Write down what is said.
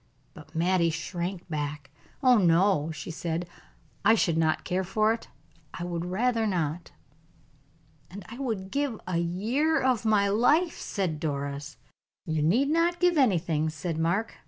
But Mattie shrank back. "Oh, no!" she said, "I should not care for it, I would rather not." "And I would give a year of my life," said Doris. "You need not give anything," said Mark.